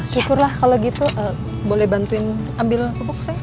syukurlah kalau gitu boleh bantuin ambil pupuk sih